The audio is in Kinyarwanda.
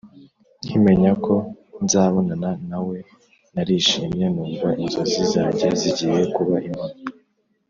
nkimenya ko nzabonana nawe narishimye numva inzozi zange zigiye kuba impamo,